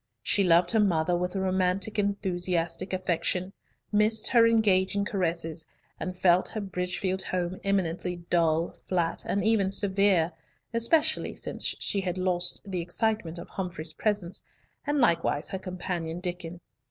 She loved her mother with a romantic enthusiastic affection, missed her engaging caresses, and felt her Bridgefield home eminently dull, flat, and even severe, especially since she had lost the excitement of Humfrey's presence, and likewise her companion Diccon.